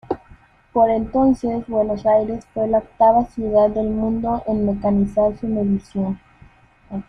Por entonces, Buenos Aires fue la octava ciudad del mundo en mecanizar su medición.